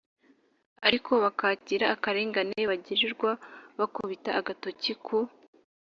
ariko bakakira akarengane bagirirwa bakubita agatoki ku